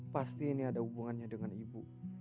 pasti ini ada hubungannya dengan ibu